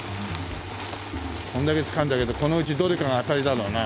これだけつかんだけどこのうちどれかがアタリだろうな。